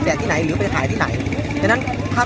สวัสดีครับทุกคนวันนี้เกิดขึ้นทุกวันนี้นะครับ